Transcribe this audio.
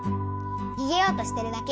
にげようとしてるだけ。